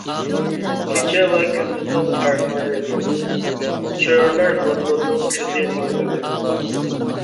كېچە ۋە كۈندۈزنىڭ پەرقلىرى يوق، چۆرىلەر لوندوننىڭ كۆزى نۇرلىنىپ.